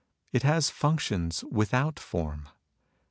It has functions without form.